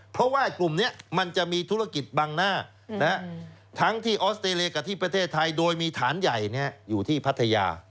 เพราะว่ากลุ่มนี้มันจะมีธุรกิจบังหน้าทั้งที่ออสเตรเลียกับที่ประเทศไทยโดยมีฐานใหญ่อยู่ที่พัทยา